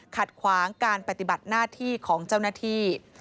ขัดขวางการปฏิบัติหน้าที่ของเจ้าหน้าที่